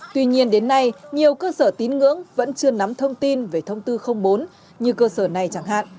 tuy nhiên đến nay nhiều cơ sở tín ngưỡng vẫn chưa nắm thông tin về thông tư bốn như cơ sở này chẳng hạn